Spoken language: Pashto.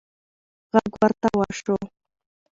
غږ ورته وشو: